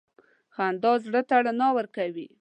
• خندا زړه ته رڼا ورکوي.